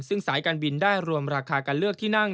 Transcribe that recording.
ซึ่งสายการบินได้รวมราคาการเลือกที่นั่ง